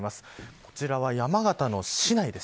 こちらは山形の市内です。